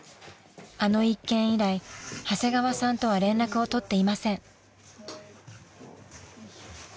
［あの一件以来長谷川さんとは連絡を取っていません］